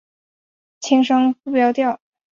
轻声不标调。